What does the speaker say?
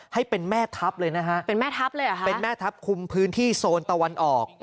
ให้เป็นแม่ทัพเลยนะฮะเป็นแม่ทัพคุมพื้นที่โซนตะวันออก